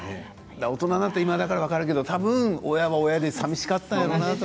大人になった今だから分かるけれどもたぶん親は親でさみしかったのかな。